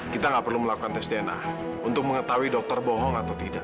kita nggak perlu melakukan tes dna untuk mengetahui dokter bohong atau tidak